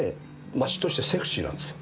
街としてセクシーなんですよ。